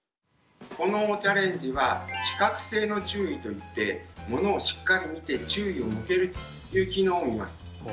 このチャレンジは視覚性の注意といってものをしっかり見て注意を向けるという機能を見ます。